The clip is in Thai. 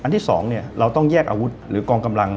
ที่๒เราต้องแยกอาวุธหรือกองกำลัง